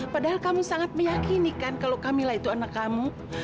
padahal kamu sangat meyakinkan kalau kamila itu anak kamu